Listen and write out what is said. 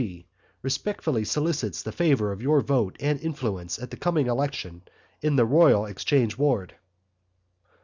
G., respectfully solicits the favour of your vote and influence at the coming election in the Royal Exchange Ward.